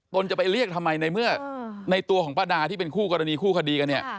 จะไปเรียกทำไมในเมื่อในตัวของป้าดาที่เป็นคู่กรณีคู่คดีกันเนี่ย